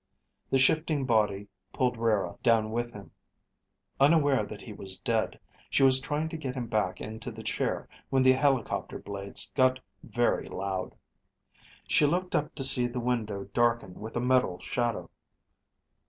The shifting body pulled Rara down with him. Unaware that he was dead, she was trying to get him back into the chair, when the helicopter blades got very loud. She looked up to see the window darken with a metal shadow.